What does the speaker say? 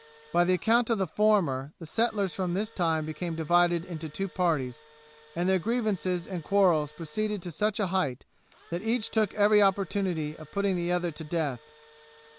By the account of the former, the settlers from this time became divided into two parties, and their grievances and quarrels proceeded to such a height, that each took every opportunity of putting the other to death.